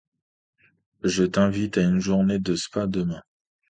Je t’invite à une journée de spa demain.